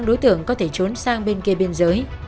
nhưng không có thể trốn sang bên kia biên giới